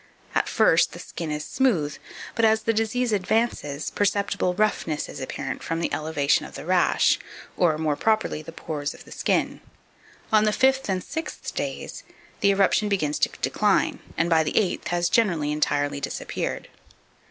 At first, the skin is smooth, but, as the disease advances, perceptible roughness is apparent, from the elevation of the rash, or, more properly, the pores of the skin. On the fifth and sixth days the eruption begins to decline, and by the eighth has generally entirely disappeared.